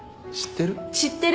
知ってる？